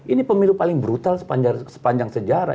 ini pemilu paling brutal sepanjang sejarah